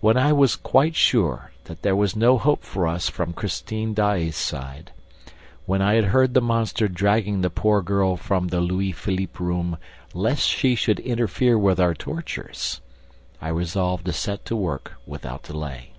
When I was quite sure that there was no hope for us from Christine Daae's side, when I had heard the monster dragging the poor girl from the Louis Philippe room LEST SHE SHOULD INTERFERE WITH OUR TORTURES, I resolved to set to work without delay.